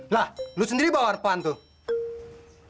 lah lo sendiri bawa warpan tuh